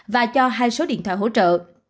và cho hai số điện thoại hỗ trợ